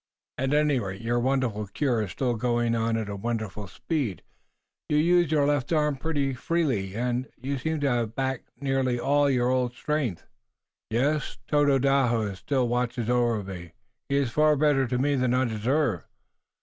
"At any rate, your wonderful cure is still going on at wonderful speed. You use your left arm pretty freely and you seem to have back nearly all your old strength." "Yes, Tododaho still watches over me. He is far better to me than I deserve."